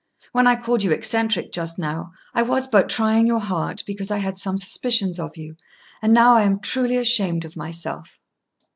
When I called you eccentric just now, I was but trying your heart, because I had some suspicions of you; and now I am truly ashamed of myself."